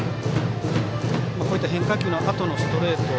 こういった変化球のあとのストレート。